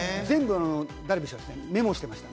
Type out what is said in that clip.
ダルビッシュ選手はメモしてました